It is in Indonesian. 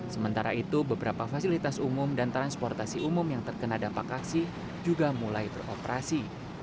sementara itu beberapa fasilitas umum dan transportasi umum yang terkena dampak aksi juga mulai beroperasi